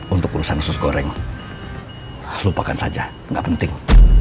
untuk urusan khusus goreng lupakan saja nggak penting